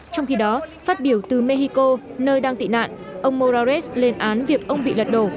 trong khi đó phát biểu từ mexico nơi đang tị nạn ông morales lên án việc ông bị lật đổ